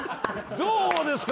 どうですか？